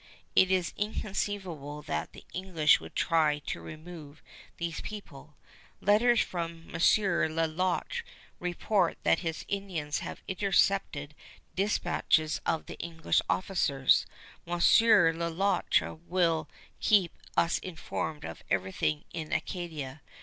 It is inconceivable that the English would try to remove these people. Letters from M. Le Loutre report that his Indians have intercepted dispatches of the English officers. M. Le Loutre will keep us informed of everything in Acadia.